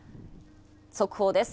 速報です。